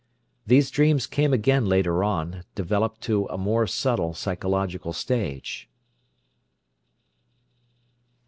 These dreams came again later on, developed to a more subtle psychological stage.